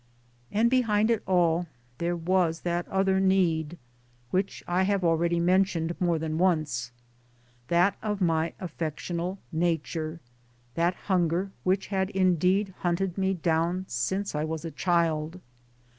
And behind it all there was that other need which I have already mentioned more than once that of my affectional nature, that hunger which had indeed hunted me down since I was a child.